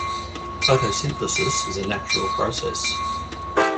Photosynthesis is a natural process.